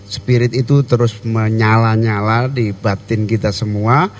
spirit itu terus menyala nyala di batin kita semua